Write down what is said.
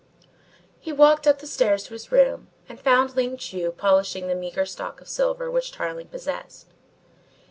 He walked up the stairs to his room and found Ling Chu polishing the meagre stock of silver which Tarling possessed.